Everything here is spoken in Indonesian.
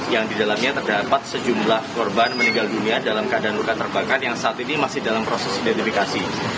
yang di dalamnya terdapat sejumlah korban meninggal dunia dalam keadaan luka terbakar yang saat ini masih dalam proses identifikasi